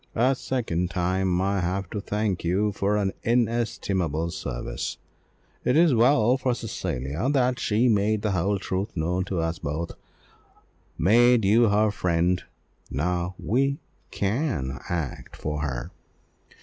a second time I have to thank you for an inestimable service. It is well for Cecilia that she made the whole truth known to us both made you her friend; now we can act for her.